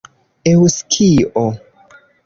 eŭskio